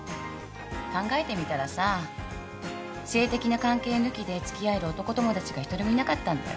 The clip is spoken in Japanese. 考えてみたらさ性的な関係抜きで付き合える男友達が一人もいなかったんだよね。